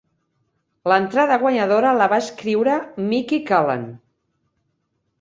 L'entrada guanyadora la va escriure Micki Callen.